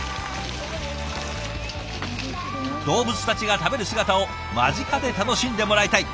動物たちが食べる姿を間近で楽しんでもらいたい。